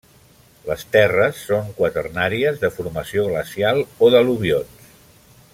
Les terres són quaternàries de formació glacial o d'al·luvions.